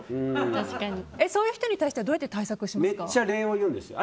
そういう人に対してどうやって対策しますか？